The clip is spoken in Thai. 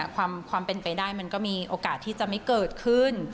ความเป็นไปได้มันก็มีโอกาสที่จะไม่เกิดขึ้น